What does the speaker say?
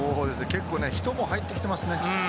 結構、人も入ってきていますね。